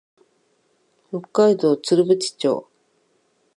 北海道剣淵町